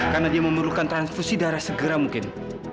karena dia memerlukan transfusi darah segera mungkin